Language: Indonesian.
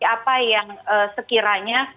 apa yang sekiranya